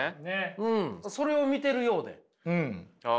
うんそれを見てるようで。